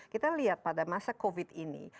kita lihat pada masa covid ini